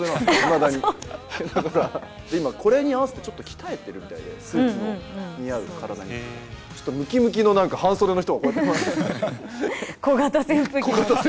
だから、今、これに合わせてちょっと鍛えてるみたいで、スーツの似合う体にということで、ちょっとムキムキの半袖の人がこ小型扇風機持って。